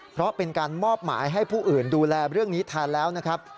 เพราะเป็นการมอบหมายให้ผู้อื่นดูแลเรื่องนี้แทนแล้วนะครับ